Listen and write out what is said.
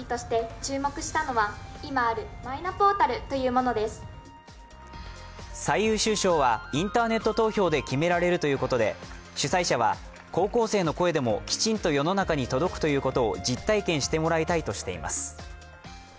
その主張とは最優秀賞はインターネット投票で決められるということで主催者は、高校生の声でもきちんと世の中に届くということを実体験してもらいたいとしています。